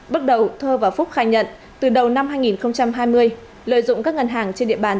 bước đầu thơ và phúc khai nhận từ đầu năm hai nghìn hai mươi lợi dụng các ngân hàng trên địa bàn